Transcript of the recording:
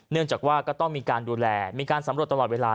เนื่องจากว่าก็ต้องมีการดูแลมีการสำรวจตลอดเวลา